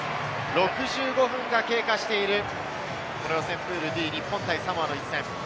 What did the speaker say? ６５分が経過している、この予選プールＤ、日本対サモアの一戦。